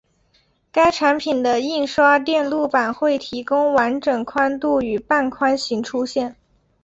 该产品的印刷电路板会提供完整宽度与半宽型出现。